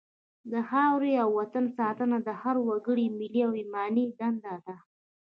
د خاورې او وطن ساتنه د هر وګړي ملي او ایماني دنده ده.